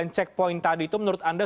checkpoint tadi itu menurut anda